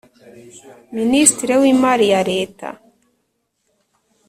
Ministre w’imari ya leta